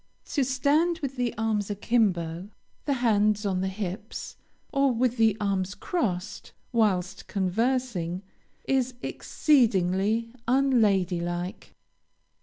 To stand with the arms a kimbo, the hands on the hips, or with the arms crossed, while conversing, is exceedingly unlady like.